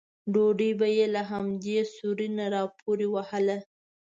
ډوډۍ به یې له همدې سوري نه راپورې وهله.